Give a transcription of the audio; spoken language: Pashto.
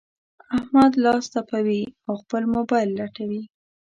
احمد لاس تپوي؛ او خپل مبايل لټوي.